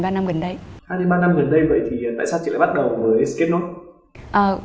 hai ba năm gần đây vậy thì tại sao chị lại bắt đầu với sketch note